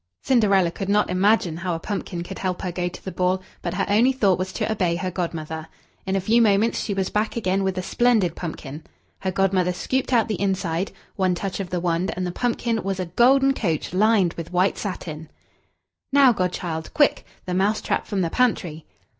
Cinderella could not imagine how a pumpkin could help her to go to the ball, but her only thought was to obey her Godmother. In a few moments she was back again, with a splendid pumpkin. Her Godmother scooped out the inside one touch of the wand, and the pumpkin was a golden coach, lined with white satin. "Now, godchild, quick the mouse trap from the pantry!"